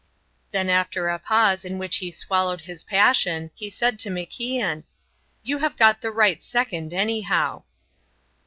Then after a pause in which he swallowed his passion, he said to MacIan: "You have got the right second, anyhow."